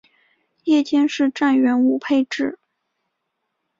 夜间是站员无配置。